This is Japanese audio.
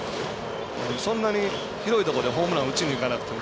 そんなに広いところでホームラン打ちにいかなくても。